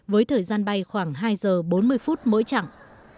với thời gian bay khoảng hai h bốn mươi mỗi chặng